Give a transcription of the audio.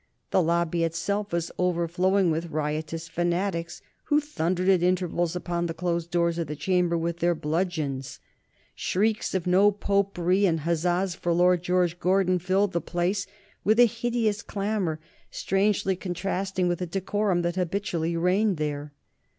The Lobby itself was overflowing with riotous fanatics, who thundered at intervals upon the closed doors of the Chamber with their bludgeons. Shrieks of "No Popery," and huzzas for Lord George Gordon filled the place with a hideous clamor strangely contrasting with the decorum that habitually reigned there.